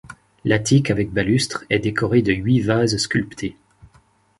L'attique avec balustre est décoré de huit vases sculptés.